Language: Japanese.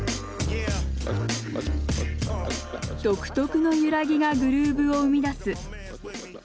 独特な揺らぎがグルーヴを生み出す。